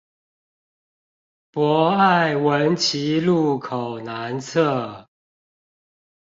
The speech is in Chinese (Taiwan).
博愛文奇路口南側